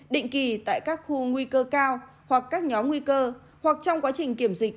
dịch tại các khu nguy cơ cao hoặc các nhóm nguy cơ hoặc trong quá trình kiểm dịch